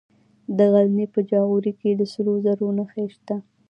د غزني په جاغوري کې د سرو زرو نښې شته.